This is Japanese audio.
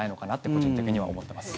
個人的には思ってます。